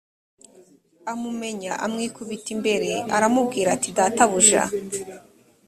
amumenya amwikubita imbere r aramubwira ati databuja